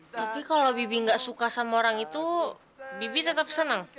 tapi kalau bibik gak suka sama orang itu bibik tetap seneng